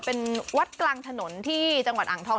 เป็นวัดกลางถนนที่จังหวัดอ่างทอง